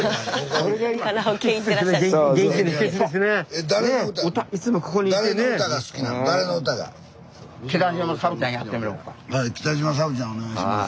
え誰の歌はい北島サブちゃんお願いします。